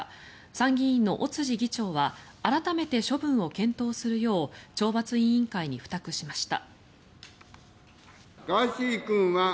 参議院の尾辻議長は改めて処分を検討するよう懲罰委員会に付託しました。